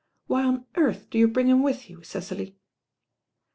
"Why on earth do you bring him with you, Cecily?"